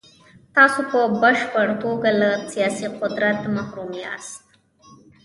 تاسو په بشپړه توګه له سیاسي قدرت محروم یاست.